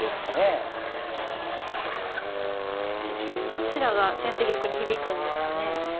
どちらが先手玉に響くんですかね。